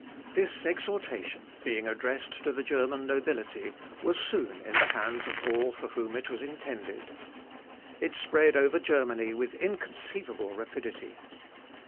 ] This exhortation, being addressed to the German nobility, was soon in the hands of all those for whom it was intended. It spread over Germany with inconceivable rapidity.